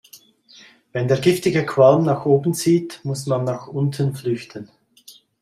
Wenn der giftige Qualm nach oben zieht, muss man nach unten flüchten.